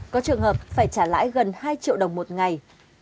có trường hợp phải trả lãi gần hai triệu đồng một ngày